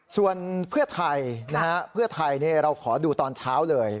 ส่วนเพื่อไทยนะฮะเพื่อไทยเราขอดูตอนเช้าเลย